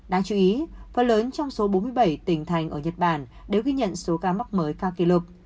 đáng chú ý phần lớn trong số bốn mươi bảy tỉnh thành ở nhật bản đều ghi nhận số ca mắc mới cao kỷ lục